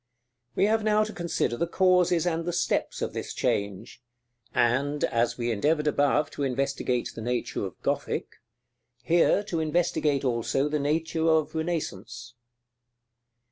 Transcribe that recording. We have now to consider the causes and the steps of this change; and, as we endeavored above to investigate the nature of Gothic, here to investigate also the nature of Renaissance.